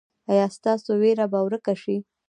ایا ستاسو ویره به ورکه شي؟